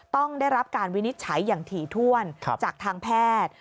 ต้องได้รับการวินิจฉัยอย่างถี่ถ้วนจากทางแพทย์